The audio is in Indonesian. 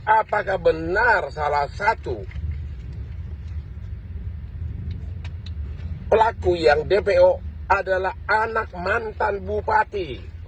apakah benar salah satu pelaku yang dpo adalah anak mantan bupati